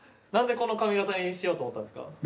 なんでこの髪形にしようと思ったんですか？